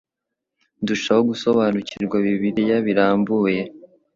ndushaho gusobanukirwa Bibiliya birambuye